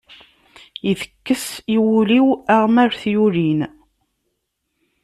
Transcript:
Itekkes i wul-iw aɣmal i t-yulin.